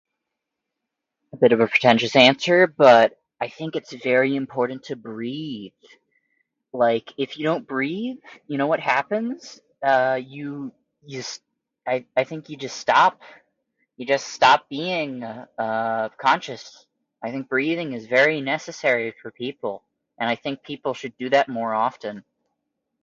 Bit of a pretentious answer, but I think it's very important to breath. Like, if you don't breath, you know what happens? Uh, you you st- I I think you just stop. You just stop being, uh, uh, conscious. I think breathing is very necessary for people, and I think people should do that more often.